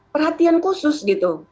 perhatian khusus gitu